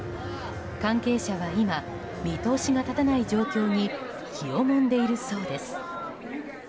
関係者は今見通しが立たない状況に気をもんでいるそうです。